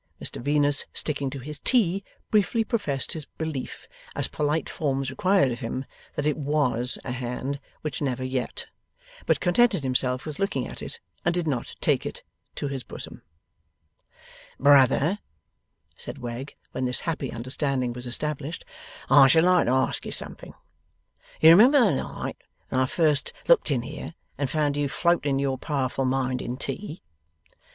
Mr Venus, sticking to his tea, briefly professed his belief as polite forms required of him, that it WAS a hand which never yet. But contented himself with looking at it, and did not take it to his bosom. 'Brother,' said Wegg, when this happy understanding was established, 'I should like to ask you something. You remember the night when I first looked in here, and found you floating your powerful mind in tea?